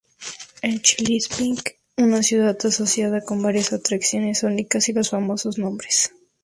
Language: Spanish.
En Cheliábinsk, una ciudad asociada con varias atracciones únicas y los famosos nombres.